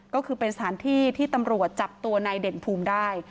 ก็คือเป็นสถานที่ที่ตำรวจจับตัวนายเด่นภูมิได้